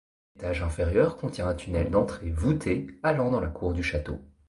L'étage inférieur contient un tunnel d'entrée voûté allant dans la cour du château.